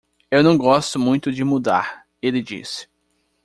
"Eu não gosto muito de mudar?" ele disse.